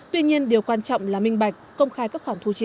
tuy nhiên điều quan trọng là minh bạch công khai các khoản thu chi